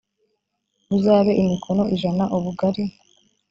buzabe imikono ijana ubugari